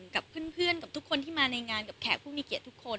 กับเพื่อนกับทุกคนที่มาในงานกับแขกผู้มีเกียรติทุกคน